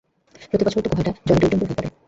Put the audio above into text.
প্রতিবছর তো গুহাটা জলে টইটুম্বুর হয়ে পড়ে।